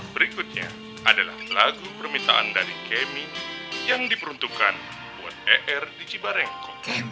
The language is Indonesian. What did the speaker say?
berikutnya adalah lagu permintaan dari kemi yang diperuntukkan buat er di cibarengko